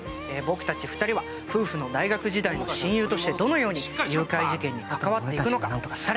僕たち２人は夫婦の大学時代の親友としてどのように誘拐事件に関わっていくのか。